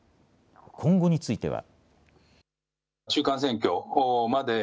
今後については。